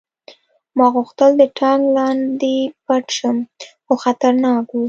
ما غوښتل د ټانک لاندې پټ شم خو خطرناک و